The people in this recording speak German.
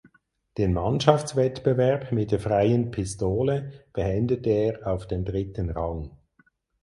Den Mannschaftswettbewerb mit der Freien Pistole beendete er auf dem dritten Rang.